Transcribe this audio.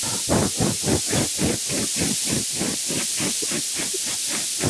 La quasi-totalité des de Santo sont expulsés.